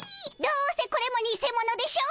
どうせこれも偽物でしょ！